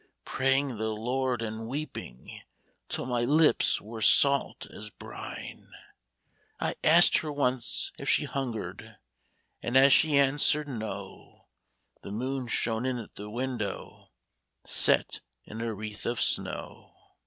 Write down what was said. Praying the Lord, and weeping Till my lips were salt as brine. k IN THE WORKHOUSE. 13 I asked her once if she hungered, And as she answered * No/ The moon shone in at the window Set in a wreath of snow.